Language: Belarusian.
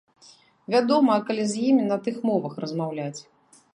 Вядома, калі з імі на тых мовах размаўляць.